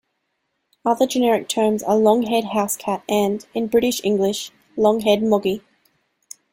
Other generic terms are long-haired house cat and, in British English, long-haired moggie.